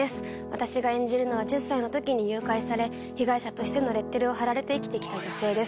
私が演じるのは１０歳のときに誘拐され被害者としてのレッテルを貼られて生きてきた女性です。